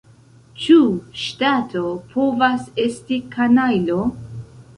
Ĉu ŝtato povas esti kanajlo?